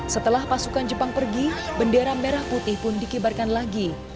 setelah pasukan jepang pergi bendera merah putih pun dikibarkan lagi